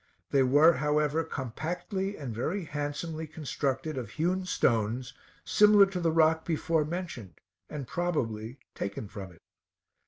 They were however compactly and very handsomely constructed of hewn stones, similar to the rock before mentioned, and probably taken from it.